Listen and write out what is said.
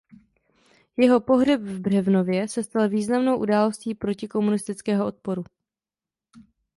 Jeho pohřeb v Břevnově se stal významnou událostí protikomunistického odporu.